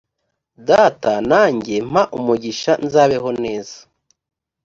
data nanjye mpa umugisha nzabeho neza